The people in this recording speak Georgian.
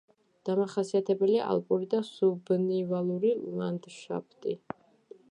დამახასიათებელია ალპური და სუბნივალური ლანდშაფტი.